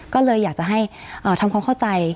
ก็เลยอยากจะให้ทำความเข้าใจ